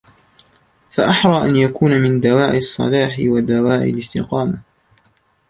فَأَحْرَى أَنْ يَكُونَ مِنْ قَوَاعِدِ الصَّلَاحِ وَدَوَاعِي الِاسْتِقَامَةِ